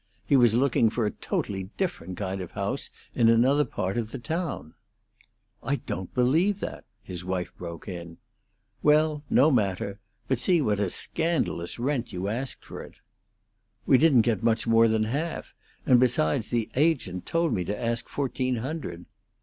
He was looking for a totally different kind of house in another part of the town." "I don't believe that!" his wife broke in. "Well, no matter. But see what a scandalous rent you asked for it." "We didn't get much more than half; and, besides, the agent told me to ask fourteen hundred."